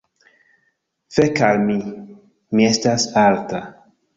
Fek' al mi! Mi estas alta.